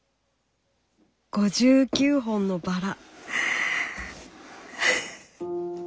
５９本のバラ。